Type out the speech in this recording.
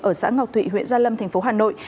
ở xã ngọc thụy huyện gia lâm tp hà nội